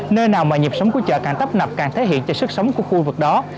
nơi nào mà nhịp sống của chợ càng tấp nập càng thể hiện cho sức sống của khu vực đó